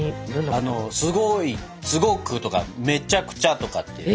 あのすごいすごくとかめちゃくちゃとかって。